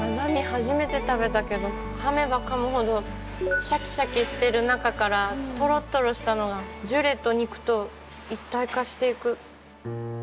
初めて食べたけどかめばかむほどシャキシャキしてる中からトロトロしたのがジュレと肉と一体化していく。